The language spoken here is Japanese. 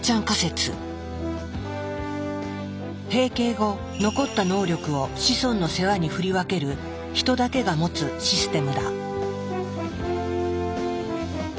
閉経後残った能力を子孫の世話に振り分ける人だけが持つシステムだ。